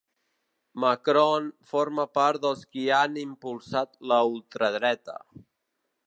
Macron forma part dels qui han impulsat la ultradreta.